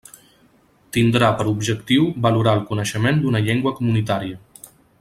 Tindrà per objectiu valorar el coneixement d'una llengua comunitària.